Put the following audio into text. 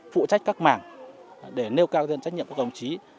phụ trách các mảng để nêu cao cái tinh thần trách nhiệm của đồng chí